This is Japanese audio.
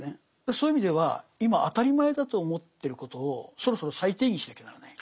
そういう意味では今当たり前だと思ってることをそろそろ再定義しなきゃならない。